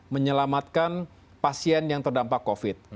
menyelamatkan pasien yang terdampak covid